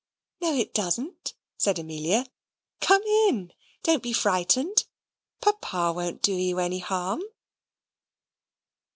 "No, it doesn't," said Amelia. "Come in, don't be frightened. Papa won't do you any harm."